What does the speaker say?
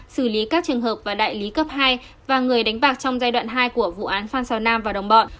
xử lý các trường hợp và đại lý cấp hai và người đánh bạc trong giai đoạn hai của vụ án phan xào nam và đồng bọn